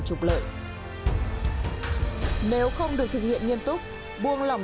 nó có liên quan đến cái này gần như là